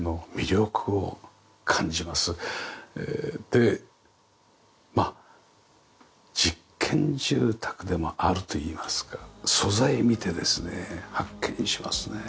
でまあ実験住宅でもあるといいますか素材見てですね発見しますね。